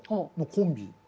コンビ。